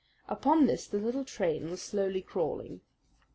Up this the little train was slowly crawling.